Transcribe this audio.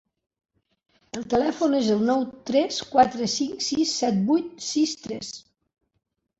El telèfon és el nou tres quatre cinc sis set vuit sis tres.